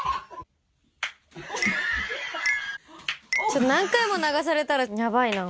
ちょっと何回も流されたらやばいな。